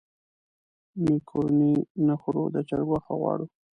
مېکاروني نه خورو د چرګ غوښه غواړو.